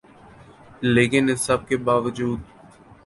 لیکن اس سب کے باوجود